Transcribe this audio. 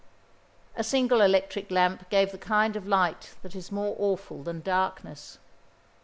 A single electric lamp gave the kind of light that is more awful than darkness.